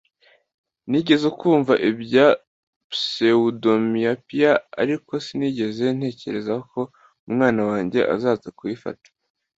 Nigeze kumva ibya pseudomyopia ariko sinigeze ntekereza ko umwana wanjye azaza kubifata